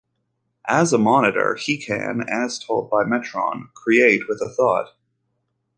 As a Monitor, he can as told by Metron "Create with a thought".